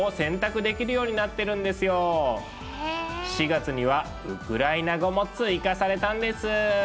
４月にはウクライナ語も追加されたんです。